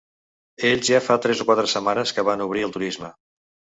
Ells ja fa tres o quatre setmanes que van obrir el turisme.